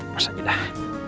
masak aja dah